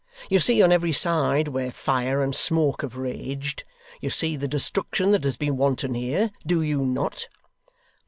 You see on every side where fire and smoke have raged. You see the destruction that has been wanton here. Do you not?